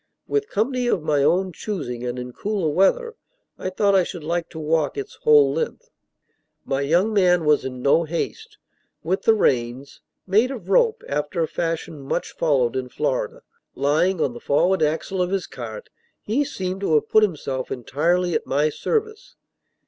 With company of my own choosing, and in cooler weather, I thought I should like to walk its whole length. My young man was in no haste. With the reins (made of rope, after a fashion much followed in Florida) lying on the forward axle of his cart, he seemed to have put himself entirely at my service.